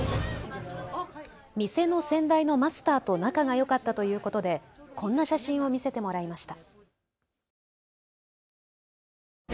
店の先代のマスターと仲がよかったということでこんな写真を見せてもらいました。